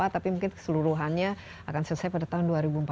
tapi mungkin keseluruhannya akan selesai pada tahun dua ribu empat belas